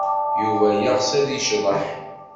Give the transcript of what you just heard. Yuba yeɣs ad yecḍeḥ.